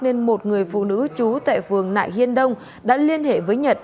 nên một người phụ nữ trú tại phường nại hiên đông đã liên hệ với nhật